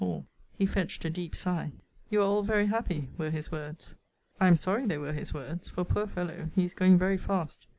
Hall. He fetched a deep sigh: You are all very happy! were his words. I am sorry they were his words; for, poor fellow, he is going very fast.